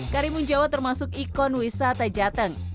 karimun jawa termasuk ikon wisata jateng